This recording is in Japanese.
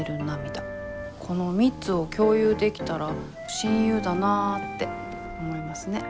この３つを共有できたら「親友だなぁ」って思いますね。